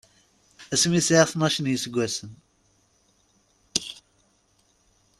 Asmi i sɛiɣ tnac n yiseggasen.